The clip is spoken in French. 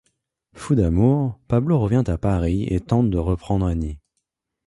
Fou d'amour, Pablo revient à Paris et tente de reprendre Annie.